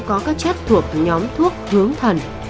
có các chất thuộc nhóm thuốc hướng thần